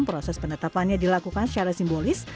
proses penetapannya dilakukan secara simbolis